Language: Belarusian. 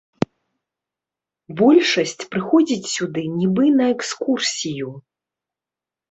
Большасць прыходзіць сюды нібы на экскурсію.